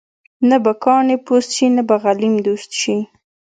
نه به کاڼې پوست شي، نه به غلیم دوست شي.